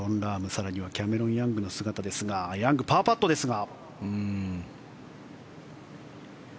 更にはキャメロン・ヤングの姿ですがヤング、パーパットですが。